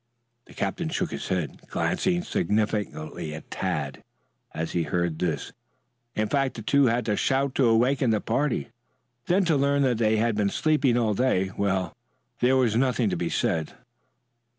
The captain shook his head, glancing significantly at Tad as he heard this. In fact the two had to shout to awaken the party. Then to learn that they had been sleeping all day well, there was nothing to be said.